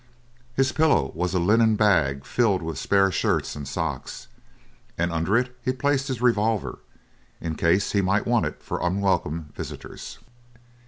His pillow was a linen bag filled with spare shirts and socks, and under it he placed his revolver, in case he might want it for unwelcome visitors.